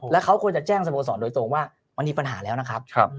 แล้วเขาควรจะแจ้งสโมสรโดยตรงว่ามันมีปัญหาแล้วนะครับ